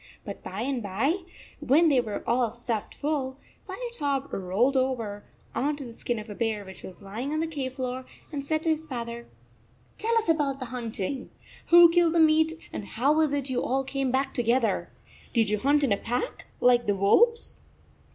But by and by, when they were all stuffed full, Firetop rolled over on to the skin of a bear which was lying on the cave floor, and said to his father: "Tell us about the hunting. Who killed the meat, and how was it you all came back together? Did you hunt in a pack, like the wolves